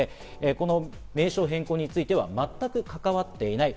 名称変更については全く関わっていない。